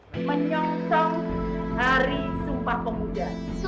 menyongsong hari sumpah pemuda